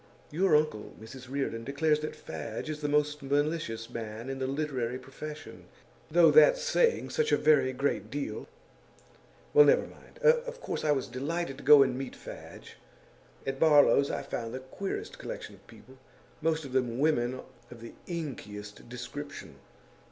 Your uncle, Mrs Reardon, declares that Fadge is the most malicious man in the literary profession; though that's saying such a very great deal well, never mind! Of course I was delighted to go and meet Fadge. At Barlow's I found the queerest collection of people, most of them women of the inkiest description.